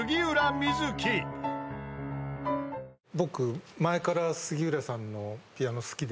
僕前から杉浦さんのピアノ好きで。